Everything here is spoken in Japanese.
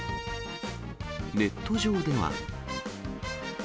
ネット上では。